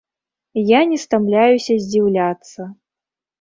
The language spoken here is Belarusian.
Я не стамляюся здзіўляцца.